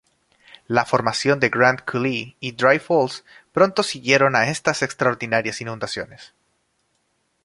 La formación de Grand Coulee y Dry Falls pronto siguieron a estas extraordinarias inundaciones.